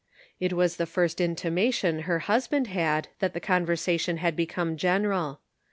It was the first intimation her hus band had that the conversation had become general.